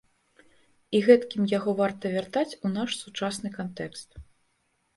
І гэткім яго варта вяртаць у наш сучасны кантэкст.